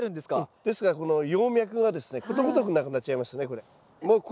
ですからこの葉脈がことごとくなくなっちゃいますねこれ。